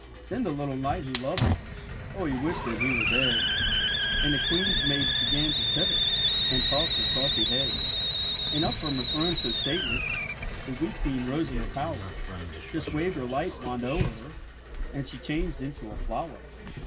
Then the little knight w^ho loved her — 0, he wished that he were dead : And the queen's maid began to titter, And tossed her saucy head. And up from her throne so stately, The wee queen rose in her power, Just waved her light wand o'er her. And she changed into a flower.